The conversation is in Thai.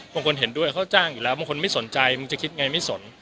คนเห็นด้วยเขาจ้างอยู่แล้วบางคนไม่สนใจมึงจะคิดไงไม่สน